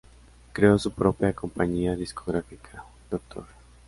Creó su propia compañía discográfica, 'Dr.